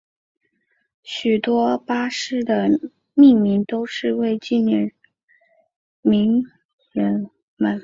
许多巴士的命名都是为了纪念名人们。